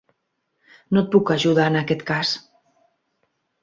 No et puc ajudar en aquest cas.